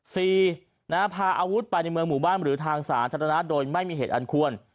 สี่นาภาอาวุธไปในเมืองหมู่บ้านหรือทางสารจัตรนัทโดยไม่มีเหตุอันควร